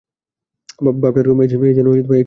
ভাবটা এ-রকম, যেন এর চেয়ে মজার কথা আগে শোনেন নি।